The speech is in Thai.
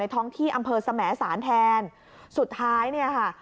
ท้องที่อำเภอสมสารแทนสุดท้ายเนี่ยค่ะ